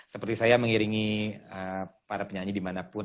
seperti saya mengiringi para penyanyi dimanapun